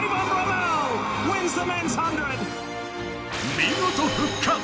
見事復活。